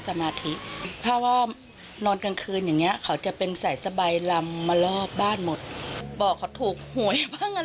ตรงอะไรไปเขาก็เขาก็ถูกเขาก็มาแก้บนแบบมีกองยาว